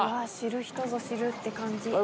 知る人ぞ知るって感じ。